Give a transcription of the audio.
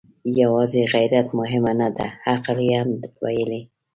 يواځې غيرت مهمه نه ده، عقل يې هم ويلی.